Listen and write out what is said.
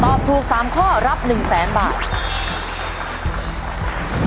ตอบถูก๓ข้อรับ๑๐๐๐๐๐บาท